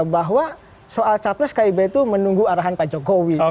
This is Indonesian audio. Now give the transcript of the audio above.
bahwa soal capres kib itu menunggu arahan pak jokowi